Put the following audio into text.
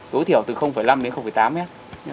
tối thiểu từ năm đến tám mét